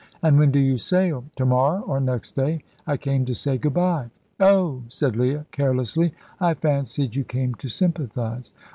"And when do you sail?" "To morrow or next day. I came to say good bye." "Oh!" said Leah, carelessly. "I fancied you came to sympathise.